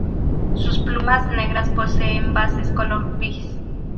Sus plumas negras poseen bases color gris.